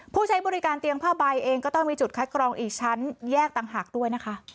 ผู้ใช้บริการเตียงผ้าใบเองก็ต้องมีจุดคัดกรองอีกชั้นแยกต่างหากด้วยนะคะ